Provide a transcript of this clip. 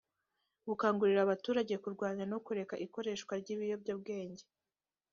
gukangurira abaturage kurwanya no kureka ikoreshwa ry ibiyobyabwenge